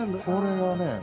これがね。